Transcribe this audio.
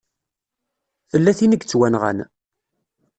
Tella tin i yettwanɣan.